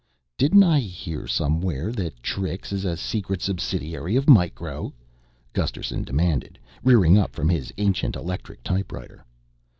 "Didn't I hear somewhere that Trix is a secret subsidiary of Micro?" Gusterson demanded, rearing up from his ancient electric typewriter.